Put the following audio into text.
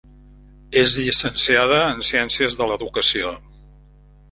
És llicenciada en Ciències de l'Educació.